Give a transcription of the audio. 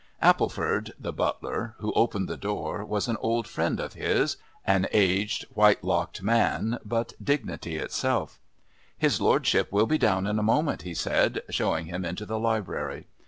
Appleford the butler, who opened the door, was an old friend of his an aged, white locked man, but dignity itself. "His lordship will be down in a moment," he said, showing him into the library.